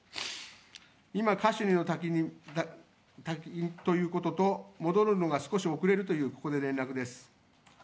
今、カシュニの滝ということと、戻るのが少し遅れるという連絡です。